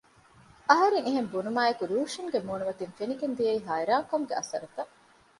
އަހަރެން އެހެން ބުނުމާއެކު ރޫޝިންގެ މޫނުމަތިން ފެނިގެން ދިޔައީ ހައިރާން ކަމުގެ އަސަރުތައް